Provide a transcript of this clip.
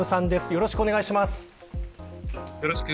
よろしくお願いします。